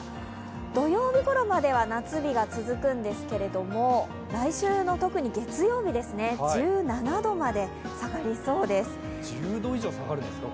土曜日ごろまでは夏日が続くんですけれども、来週の特に月曜日、１７度まで下がりそうです。